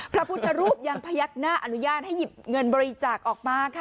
พระพุทธรูปยังพยักหน้าอนุญาตให้หยิบเงินบริจาคออกมาค่ะ